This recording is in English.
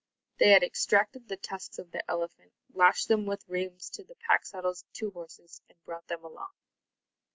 They had extracted the tusks of their elephant, lashed them with rheims to the pack saddles of two horses, and brought them along.